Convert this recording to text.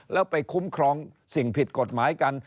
แล้วไปคุ้มครองสิ่งผิดกฎหมายกัน